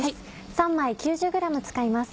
３枚９０ｇ使います。